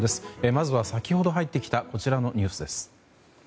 まずは先ほど入ってきたこちらのニュースです。